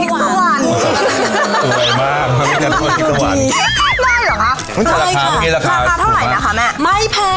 ละคารเท่าไหร่นะคะแม่